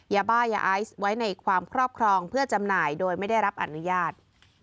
ยาบ้ายาไอซ์ไว้ในความครอบครองเพื่อจำหน่ายโดยไม่ได้รับอนุญาต